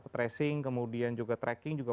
tracing kemudian juga tracking juga